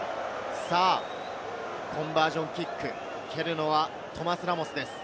コンバージョンキック、蹴るのはトマ・ラモスです。